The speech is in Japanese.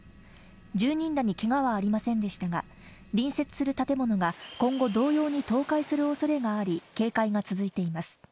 住人らにけがはありませんでしたが、隣接する建物が今後同様に倒壊するおそれがあり、警戒が続いています。